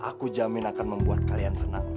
kalau kalian bagus aku jamin akan membuat kalian senang